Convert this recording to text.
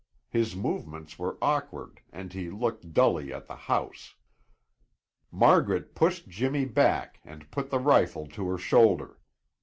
His movements were awkward and he looked dully at the house. Margaret pushed Jimmy back and put the rifle to her shoulder.